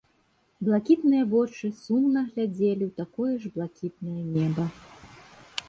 Блакітныя вочы сумна глядзелі ў такое ж блакітнае неба.